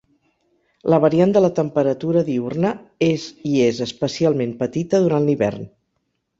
La variant de la temperatura diürna és i és especialment petita durant l'hivern.